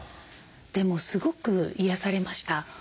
でもすごく癒やされました。